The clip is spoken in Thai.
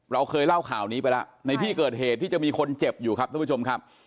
เราเคยเล่าข่าวนี้ไปแล้วในที่เกิดเหตุที่จะมีคนเจ็บอยู่ครับท่านผู้ชมครับ